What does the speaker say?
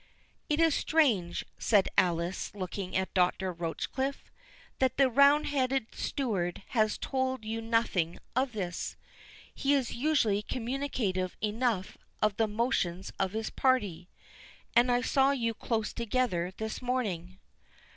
"It is strange," said Alice, looking at Dr. Rochecliffe, "that the roundhead steward has told you nothing of this. He is usually communicative enough of the motions of his party; and I saw you close together this morning."